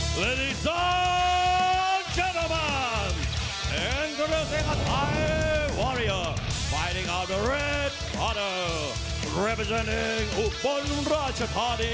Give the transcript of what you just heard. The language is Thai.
เพดโทบอร์ชันลอร์ดสิบบันสักกรณ์